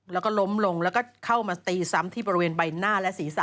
แล้วก็ล้มลงแล้วก็เข้ามาตีซ้ำที่บริเวณใบหน้าและศีรษะ